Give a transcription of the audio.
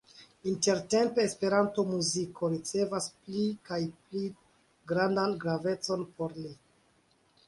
Intertempe Esperanto-muziko ricevas pli kaj pli grandan gravecon por li.